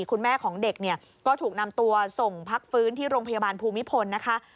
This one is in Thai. คุณแม่ของเด็กเนี่ยก็ถูกนำตัวส่งพักฟื้นที่โรงพยาบาลภูมิพลนะคะ